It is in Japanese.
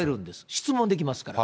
質問できますから。